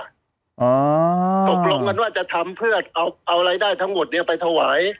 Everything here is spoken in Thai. ตกลงกันว่าจะทำเพื่อเอารายได้ทั้งหมดเนี้ยไปถวาย